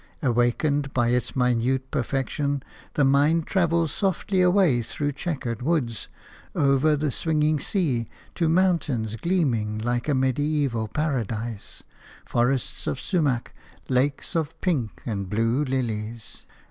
Awakened by its minute perfection, the mind travels softly away through chequered woods, over the swinging sea, to mountains gleaming like a medieval paradise, forests of sumach, lakes of pink and blue lilies.